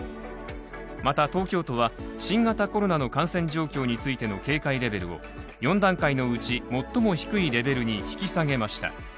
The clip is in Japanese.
また東京都は新型コロナの感染状況についての警戒レベルを４段階のうち最も低いレベルに引き下げました。